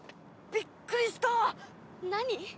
びっくりした何！？